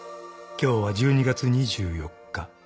［今日は１２月２４日］